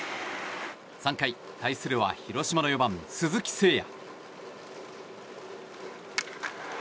３回、対するは広島の４番、鈴木誠也。